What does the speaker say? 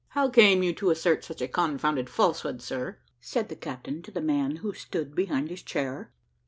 "How came you to assert such a confounded falsehood, sir?" said the captain to the man who stood behind his chair.